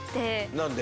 何で？